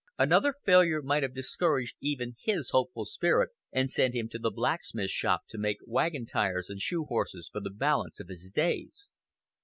Another failure might have discouraged even his hopeful spirit, and sent him to the blacksmith shop to make wagon tires and shoe horses for the balance of his days.